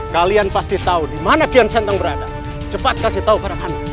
kalian pasti tahu dimana kian santan berada cepat kasih tau pada kami